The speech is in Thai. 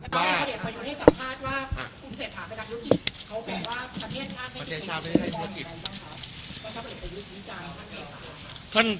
เขาแบ่งว่าประเทศชาติประเทศชาติประเทศชาติ